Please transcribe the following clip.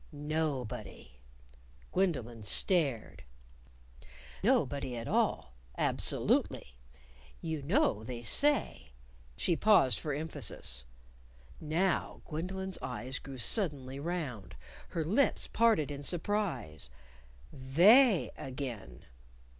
"_No_body." Gwendolyn stared. "Nobody at all absolutely. You know, they say " She paused for emphasis. Now, Gwendolyn's eyes grew suddenly round; her lips parted in surprise. They again!